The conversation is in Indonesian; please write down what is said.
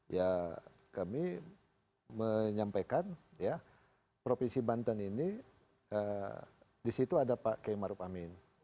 ya kami menyampaikan ya provinsi banten ini disitu ada pak k maruf amin